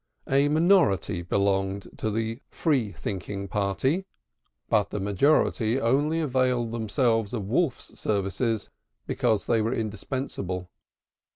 A minority belonged to the Free thinking party, but the majority only availed themselves of Wolf's services because they were indispensable.